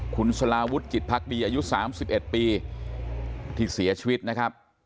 คุณสลาวุฒิจิตภักดีอายุ๓๑ปีที่เสียชีวิตนะครับ